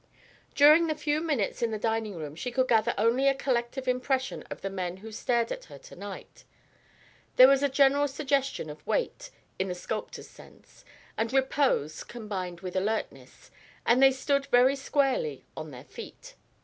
During the few moments in the drawing room she could gather only a collective impression of the men who stared at her to night. There was a general suggestion of weight, in the sculptor's sense, and repose combined with alertness, and they stood very squarely on their feet.